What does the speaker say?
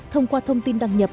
thông qua thông tin đăng nhập